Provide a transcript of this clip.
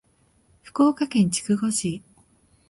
福岡県筑後市